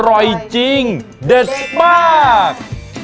อร่อยจริงเด็ดมาก